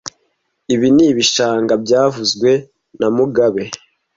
Ibi ni ibishanga byavuzwe na mugabe